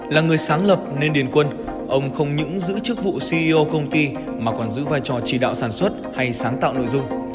là người sáng lập nên điền quân ông không những giữ chức vụ ceo công ty mà còn giữ vai trò chỉ đạo sản xuất hay sáng tạo nội dung